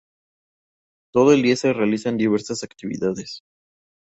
Todo el día se realizan diversas actividades.